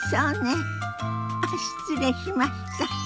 あっ失礼しました。